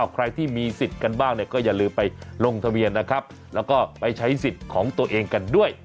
ใครที่มีสิทธิ์กันบ้างเนี่ยก็อย่าลืมไปลงทะเบียนนะครับแล้วก็ไปใช้สิทธิ์ของตัวเองกันด้วย